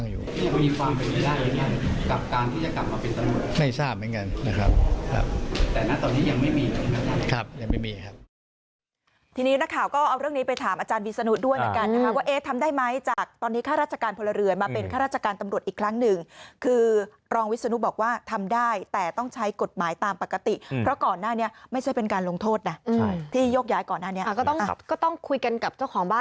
ยังไม่มีครับ